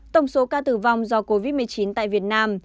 tổng số ca tử vong do covid một mươi chín tại việt nam